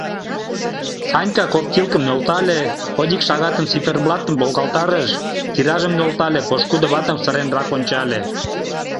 — Санька коптилкым нӧлтале, ходик шагатын циферблатым волгалтарыш, киражым нӧлтале, пошкудо ватым сыренрак ончале.